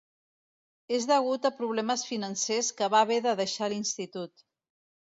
És degut a problemes financers que va haver de deixar l’institut.